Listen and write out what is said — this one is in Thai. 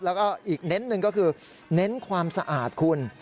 แล้วก็อีกเน้นหนึ่งก็คือเน้นความสะอาดคุณ